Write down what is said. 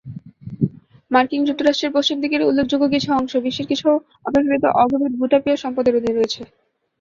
মার্কিন যুক্তরাষ্ট্রের পশ্চিম দিকের উল্লেখযোগ্য অংশ সহ বিশ্বের কিছু অংশ অপেক্ষাকৃত অগভীর ভূ-তাপীয় সম্পদের অধীনে রয়েছে।